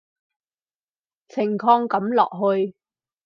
情況噉落去